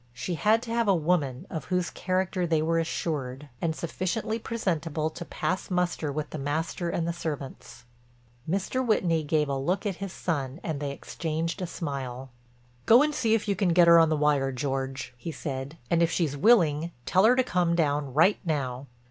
She had to have a woman of whose character they were assured, and sufficiently presentable to pass muster with the master and the servants. Mr. Whitney gave a look at his son and they exchanged a smile. "Go and see if you can get her on the wire, George," he said, "and if she's willing tell her to come down right now."